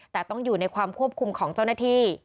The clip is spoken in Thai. แต่ต้องอยู่ในความควบคุมของเจ้าหน้าที่